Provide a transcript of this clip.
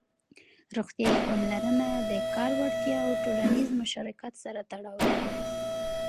روغتيايي پاملرنه د کار وړتيا او ټولنيز مشارکت سره تړاو لري.